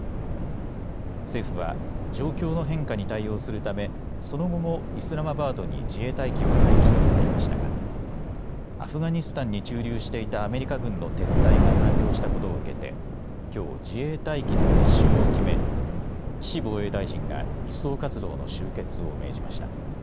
政府は状況の変化に対応するためその後もイスラマバードに自衛隊機を待機させていましたがアフガニスタンに駐留していたアメリカ軍の撤退が完了したことを受けて、きょう自衛隊機の撤収を決め岸防衛大臣が輸送活動の終結を命じました。